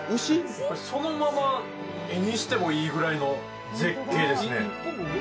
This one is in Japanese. そのまま絵にしてもいいぐらいの絶景ですね。